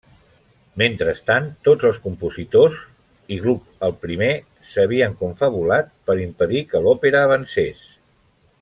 Mentrestant, tots els compositors, i Gluck el primer, s'havien confabulat per impedir que l'òpera avancés.